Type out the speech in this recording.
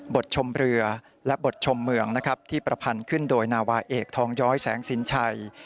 ชมเรือและบทชมเมืองนะครับที่ประพันธ์ขึ้นโดยนาวาเอกทองย้อยแสงสินชัย